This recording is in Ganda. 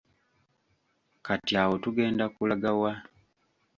Kati awo tugenda kulaga wa?